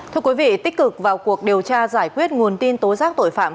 thưa quý vị tích cực vào cuộc điều tra giải quyết nguồn tin tố giác tội phạm